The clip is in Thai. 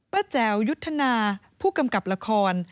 แจ๋วยุทธนาผู้กำกับละคร